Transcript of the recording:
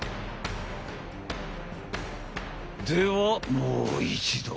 ではもう一度。